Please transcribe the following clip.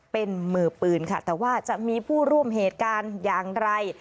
เป็นมือปืนค่ะแต่ว่าจะมีผู้ร่วมเหตุการณ์อย่างไร